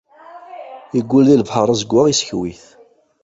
Iggull di lebḥer azeggaɣ, isskew-it.